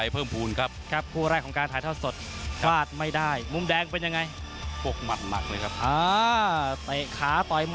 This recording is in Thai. เป็นมวยจังหวะฝีมือครับ